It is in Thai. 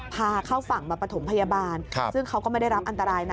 พาเข้าฝั่งมาปฐมพยาบาลซึ่งเขาก็ไม่ได้รับอันตรายนะ